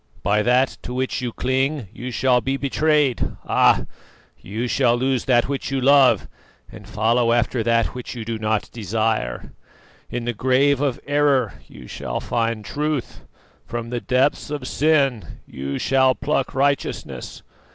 By that to which you cling you shall be betrayed, ah! you shall lose that which you love and follow after that which you do not desire. In the grave of error you shall find truth, from the deeps of sin you shall pluck righteousness.